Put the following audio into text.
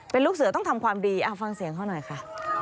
เป็นลูกเสือต้องทำความดีฟังเสียงเขาหน่อยค่ะ